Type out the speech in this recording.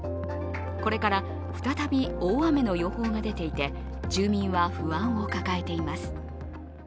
これから再び大雨の予報が出ていて住民は不安を抱えています。